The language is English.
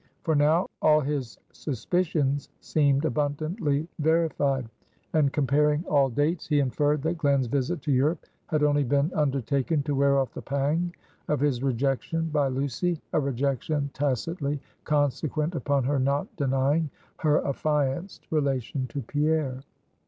For now all his suspicions seemed abundantly verified; and comparing all dates, he inferred that Glen's visit to Europe had only been undertaken to wear off the pang of his rejection by Lucy, a rejection tacitly consequent upon her not denying her affianced relation to Pierre.